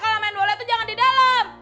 kalau main bola itu jangan di dalam